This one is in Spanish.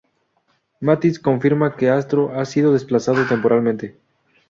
Mantis confirma que Astro ha sido desplazado temporalmente.